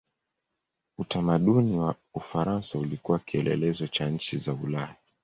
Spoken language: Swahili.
Utamaduni wa Ufaransa ulikuwa kielelezo kwa nchi za Ulaya.